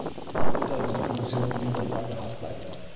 Wird also die Kommission in dieser Frage hart bleiben?